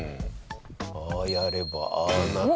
ああやればああなって。